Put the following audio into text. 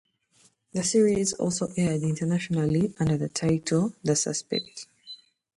The series also aired internationally under the title The Suspect.